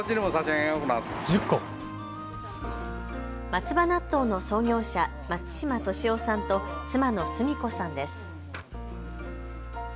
松葉納豆の創業者、松嶋俊雄さんと妻の澄子さんです。